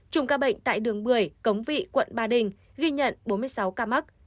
chùm ca bệnh tại đường bưởi cống vị quận ba đình ghi nhận bốn mươi sáu ca mắc